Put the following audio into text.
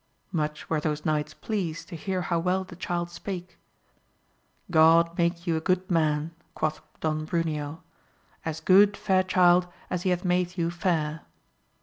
Much were those knights pleased to hear how well the child spake. God make you a good man, quoth Don Bruneo, as good, fair child, as he hath made you fair.